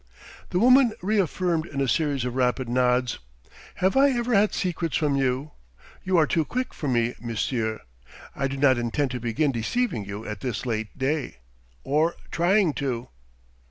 The woman reaffirmed in a series of rapid nods. "Have I ever had secrets from you? You are too quick for me, monsieur: I do not intend to begin deceiving you at this late day or trying to."